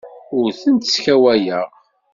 Ur tent-sskawayeɣ.